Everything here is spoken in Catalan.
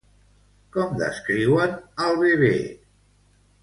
Com descriuen al bebè?